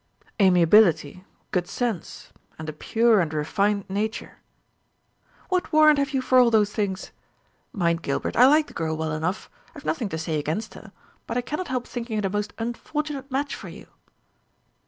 "Amiability, good sense, and a pure and refined nature." "What warrant have you for all those things? Mind, Gilbert, I like the girl well enough; I have nothing to say against her; but I cannot help thinking it a most unfortunate match for you."